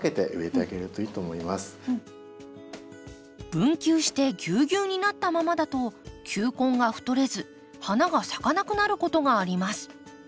分球してぎゅうぎゅうになったままだと球根が太れず花が咲かなくなることがあります。